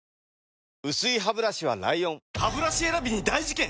薄いハブラシは ＬＩＯＮハブラシ選びに大事件！